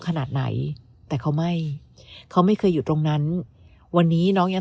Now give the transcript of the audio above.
ขนาดไหนแต่เขาไม่เขาไม่เคยอยู่ตรงนั้นวันนี้น้องยัง